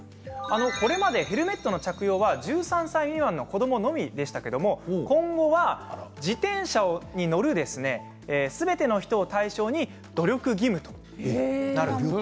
これまでヘルメットの着用は１３歳未満の子どものみでしたけど今後は自転車に乗るすべての人を対象に努力義務となるんです。